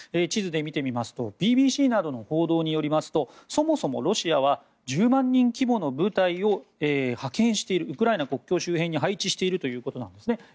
地図で見てみますとＢＢＣなどの報道によりますとそもそもロシアは１０万人規模の部隊をウクライナ国境周辺に配置しているということなんですね。